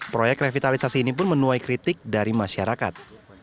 proyek revitalisasi ini pun menuai kritik dari masyarakat